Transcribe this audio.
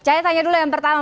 saya tanya dulu yang pertama